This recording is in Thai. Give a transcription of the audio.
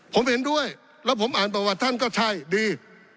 ผมเห็นด้วยแล้วผมอ่านประวัติท่านก็ใช่ดี